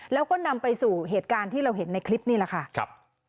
แล้วก็นำไปสู่เหตุการณ์ที่เราเห็นในคลิปนี่แหละค่ะครับ